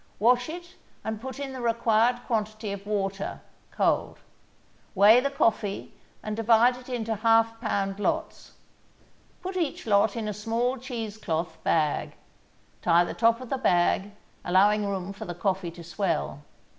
Wash it and put in the required quantity of water (cold). Weigh the coffee and divide it into half pound lots. Put each lot in a small cheese cloth bag; tie the top of the bag, allowing room for the coffee to swell.